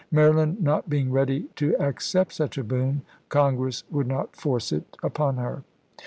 Maryland not being ready to accept such a boon. Congress would not force it upon her.